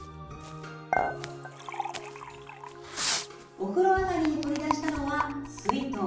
お風呂上がりに取り出したのは水筒。